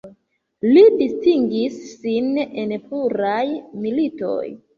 Li distingis sin en pluraj militoj.